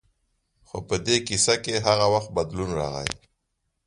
خو په دې کیسه کې هغه وخت بدلون راغی.